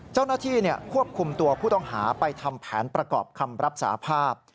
เจ้าหน้าที่ควบคุมตัวผู้ต้องหาไปทำแผนประกอบคำรับสาภาพ